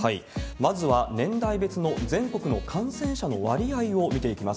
まずは年代別の全国の感染者の割合を見ていきます。